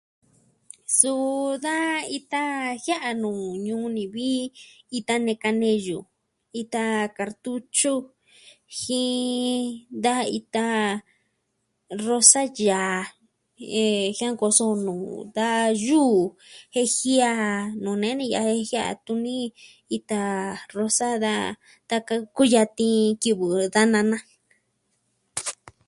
Suu da ita, jia'nu nuu ñuu ni vi, ita neka neyu, ita kartutyu, jin... da ita rosa yaa. Eh... Jiankpos nuu da yuu, jen jiaa nuu ne ni ya'a jiaa tuni, ita rosa ka taka nkuyati kivɨ da nana.